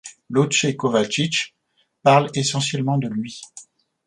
Lojze Kovačič parle essentiellement de lui.